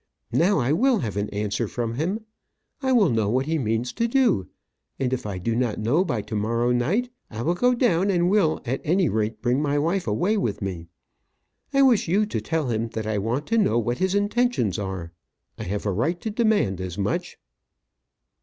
Now I will have an answer from him. I will know what he means to do; and if I do not know by to morrow night, I will go down, and will, at any rate, bring my wife away with me. I wish you to tell him that I want to know what his intentions are. I have a right to demand as much."